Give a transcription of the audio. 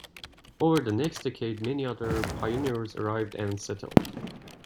Over the next decade many other pioneers arrived and settled.